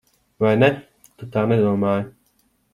Vai ne? Tu tā nedomāji.